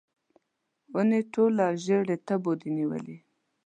ونې ټوله ژړۍ تبو دي نیولې